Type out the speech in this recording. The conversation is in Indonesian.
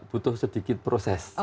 butuh sedikit proses